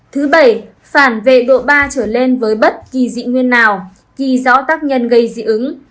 thứ bảy phản về độ ba trở lên với bất kỳ dị nguyên nào ghi rõ tác nhân gây dị ứng